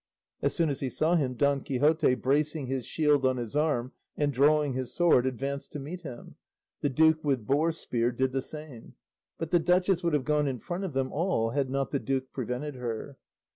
As soon as he saw him Don Quixote, bracing his shield on his arm, and drawing his sword, advanced to meet him; the duke with boar spear did the same; but the duchess would have gone in front of them all had not the duke prevented her.